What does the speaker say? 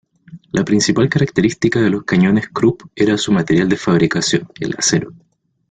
La principal característica de los cañones Krupp era su material de fabricación, el acero.